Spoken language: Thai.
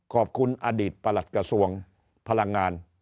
ขอบคุณอดีตประหลัดกระทรวงพลังงาน